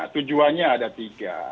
tujuannya ada tiga